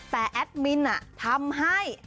แต่แอดมินทำให้